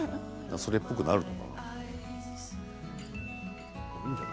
それっぽくなるのかな。